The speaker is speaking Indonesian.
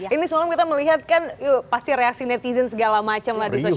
ini semalam kita melihat kan pasti reaksi netizen segala macem lah di sosial media